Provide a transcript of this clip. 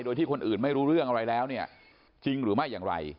โดยที่คนอื่นไม่รู้เรื่องอะไรแล้วเนี่ยจริงหรือไม่อย่างไร